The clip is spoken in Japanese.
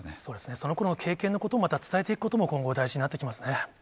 そのころの経験のことをまた伝えていくことも今後、大事になってきますね。